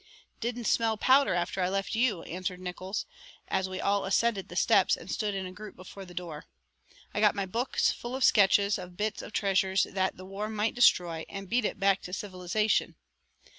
"Didn't smell powder after I left you," answered Nickols, as we all ascended the steps and stood in a group before the door. "I got my books full of sketches of bits of treasures that the war might destroy, and beat it back to civilization.